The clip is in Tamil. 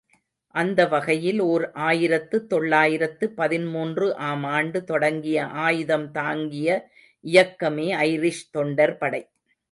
அந்த வகையில் ஓர் ஆயிரத்து தொள்ளாயிரத்து பதிமூன்று ஆம் ஆண்டு தொடங்கிய ஆயுதம் தாங்கிய இயக்கமே ஐரிஷ் தொண்டர்படை.